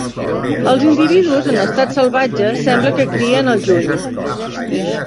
Els individus en estat salvatge sembla que crien al juny.